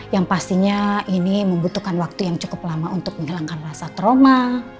yang pastinya ini membutuhkan waktu yang cukup lama untuk menghilangkan rasa trauma